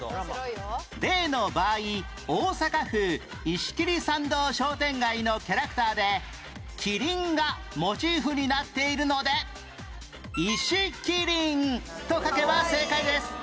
例の場合大阪府石切参道商店街のキャラクターでキリンがモチーフになっているのでいしきりんと書けば正解です